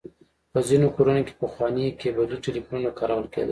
په ځينې کورونو کې پخواني کيبلي ټليفونونه کارول کېدل.